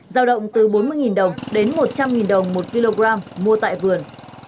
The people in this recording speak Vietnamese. giao động từ bốn mươi đồng đến một trăm linh đồng một kg mua tại vườn